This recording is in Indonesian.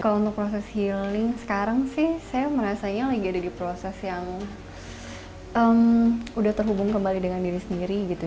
kalau untuk proses healing sekarang sih saya merasanya lagi ada di proses yang udah terhubung kembali dengan diri sendiri gitu